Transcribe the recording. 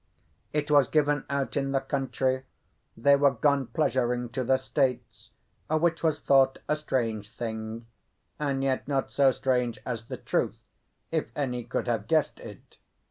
It was given out in the country they were gone pleasuring to the States, which was thought a strange thing, and yet not so strange as the truth, if any could have guessed it.